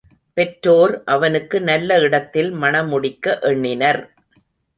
பெற்றோர் அவனுக்கு நல்ல இடத்தில் மணமுடிக்க எண்ணினர்.